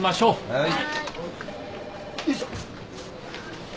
はい。